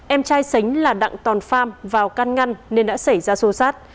em trai sánh là đặng toàn pham vào can ngăn nên đã xảy ra xô sát